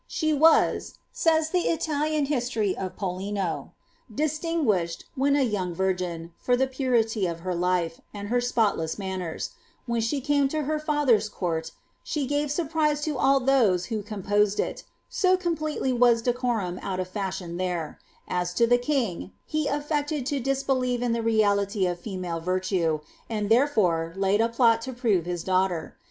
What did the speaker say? *^She was,'' says the Italian history of PoUino, ^ distinguished, Mn a young virgin, for the purity of her life, and her spotless man m ; when she came to her father's court, she gave surprise to all who composed it, so completely was decorum out of fashion As lo the king, he aflected to disbelieve in the reality of female tse, and thmfore laid a plot to prove his daughter.